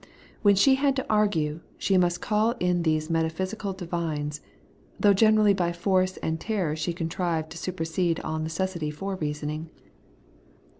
When she had to argue, she must call in these metaphysical divines; though generally by force and terror she contrived to super sede all necessity for reasoning.